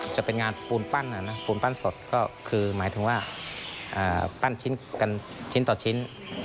จะเป็นงานปูนปั้นปูนปั้นสดก็คือหมายถึงว่าปั้นชิ้นกันชิ้นต่อชิ้น